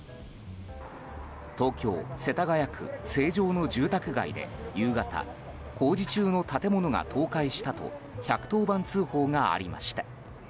東京・世田谷区成城の住宅街で夕方工事中の建物が倒壊したと１１０番通報がありました。